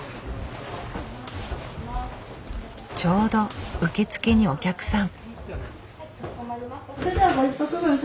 ちょうど受付にお客さん。